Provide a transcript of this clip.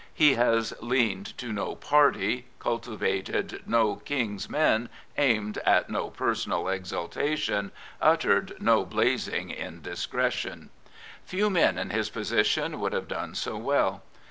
He has leaned to no party, cultivated no " King's men," aimed at no personal exaltation, uttered no " blazing indiscretion." Few men in his position would have done so well.